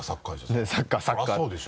サッカーサッカーでしょ。